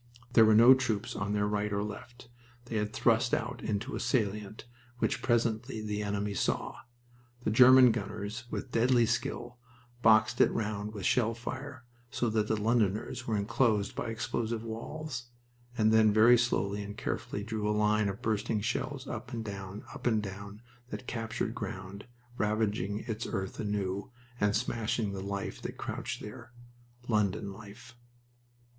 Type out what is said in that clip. There were no troops on their right or left. They had thrust out into a salient, which presently the enemy saw. The German gunners, with deadly skill, boxed it round with shell fire, so that the Londoners were inclosed by explosive walls, and then very slowly and carefully drew a line of bursting shells up and down, up and down that captured ground, ravaging its earth anew and smashing the life that crouched there London life.